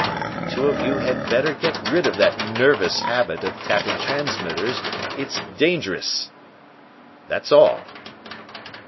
The two of you had better get rid of that nervous habit of tapping transmitters; it's dangerous. That's all.'